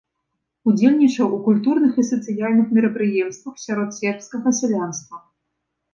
Удзельнічаў у культурных і сацыяльных мерапрыемствах сярод сербскага сялянства.